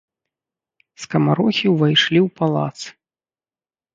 Скамарохі ўвайшлі ў палац.